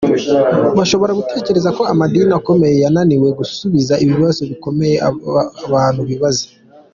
Bashobora gutekereza ko amadini akomeye yananiwe gusubiza ibibazo bikomeye abantu bibaza.